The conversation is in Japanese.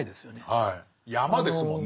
はい山ですもんね。